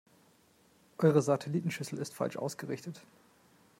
Eure Satellitenschüssel ist falsch ausgerichtet.